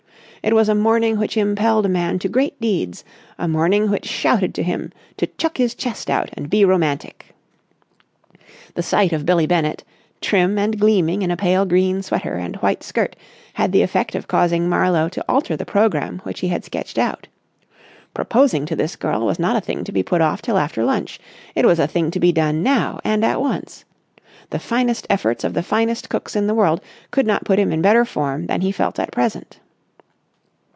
It was a morning which impelled a man to great deeds, a morning which shouted to him to chuck his chest out and be romantic. The sight of Billie Bennett, trim and gleaming in a pale green sweater and white skirt had the effect of causing Marlowe to alter the programme which he had sketched out. Proposing to this girl was not a thing to be put off till after lunch. It was a thing to be done now and at once. The finest efforts of the finest cooks in the world could not put him in better form than he felt at present.